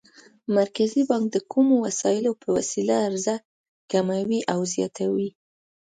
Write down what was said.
مرکزي بانک د کومو وسایلو په وسیله عرضه کموي او زیاتوي؟